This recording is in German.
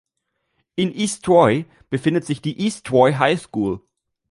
In East Troy befindet sich die East Troy High School.